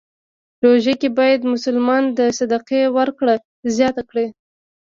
روژه کې باید مسلمان د صدقې ورکړه زیاته کړی.